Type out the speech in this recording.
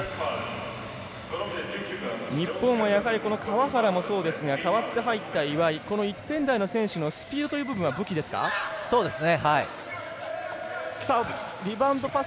日本は川原もそうですが代わって入った岩井この１点台の選手のスピードという部分は武器ですね。